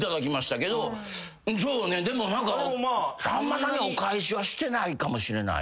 そうねでも何かさんまさんにお返しはしてないかもしれない。